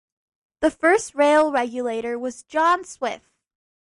The first Rail Regulator was John Swift.